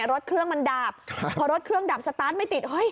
รถเครื่องมันดับพอรถเครื่องดับสตาร์ทไม่ติดเฮ้ย